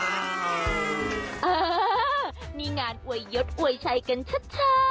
เออนี่งานอวยยศอวยชัยกันชัด